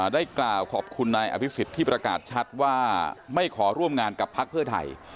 ได้กล่าวขอบคุณนายอภิษฎที่ประกาศชัดว่าไม่ขอร่วมงานกับพักเพื่อไทย